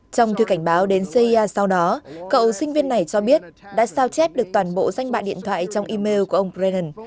trong thư cảnh báo đến cia sau đó cậu sinh viên này cho biết đã sao chép được toàn bộ danh bạ điện thoại trong email của ông bren